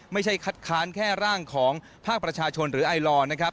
ไม่ใช่คัดค้านแค่ร่างของภาคประชาชนหรือไอลอร์นะครับ